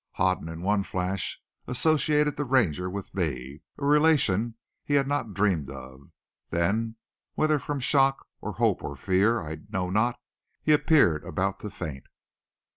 Hoden in one flash associated the Ranger with me a relation he had not dreamed of. Then, whether from shock or hope or fear I know not, he appeared about to faint.